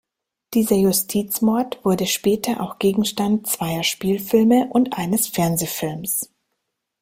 Dieser Justizmord wurde später auch Gegenstand zweier Spielfilme und eines Fernsehfilms.